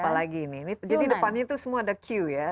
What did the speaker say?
jadi depannya itu semua ada q ya